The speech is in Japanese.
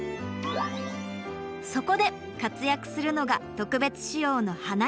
そこで活躍するのが特別仕様の花嫁タクシー。